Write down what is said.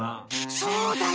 そうだよ。